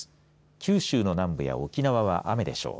九州の南部や沖縄は雨でしょう。